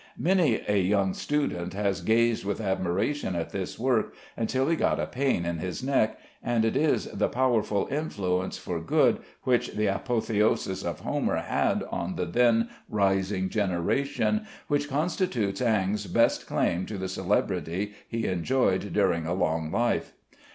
Many a young student has gazed with admiration at this work until he got a pain in his neck, and it is the powerful influence for good which the "Apotheosis of Homer" had on the then rising generation which constitutes Ingres' best claim to the celebrity he enjoyed during a long life.